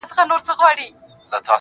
د زړگي شال دي زما پر سر باندي راوغوړوه